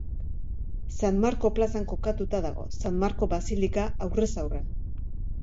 San Marko plazan kokatuta dago, San Marko basilika aurrez aurre.